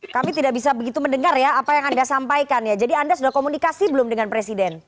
kami tidak bisa begitu mendengar ya apa yang anda sampaikan ya jadi anda sudah komunikasi belum dengan presiden